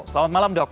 selamat malam dok